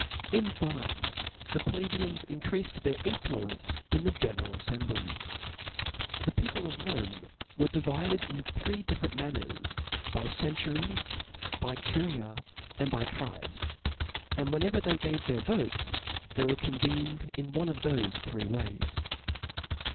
In iine the plebeians increa(ed their influence ia the general affcmblics. The people of Rome were divided in three different manners, by centuries^ by curias, and by tribes ; and whenever they gave their votes, they were convened one of thofe three ways.